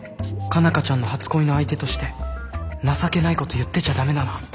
佳奈花ちゃんの初恋の相手として情けないこと言ってちゃダメだな。